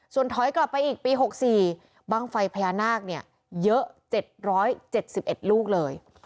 ส่วนถอยกลับไปอีกปีหกสี่บ้างไฟพยานาคเนี้ยเยอะเจ็ดร้อยเจ็ดสิบเอ็ดลูกเลย